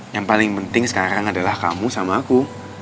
yang paling penting sekarang adalah kamu sama aku